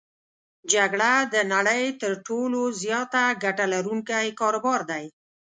جګړه د نړی تر ټولو زیاته ګټه لرونکی کاروبار دی.